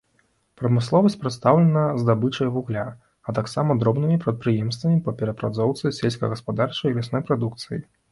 Прамысловасць прадстаўлена здабычай вугля, а таксама дробнымі прадпрыемствамі па перапрацоўцы сельскагаспадарчай і лясной прадукцыі.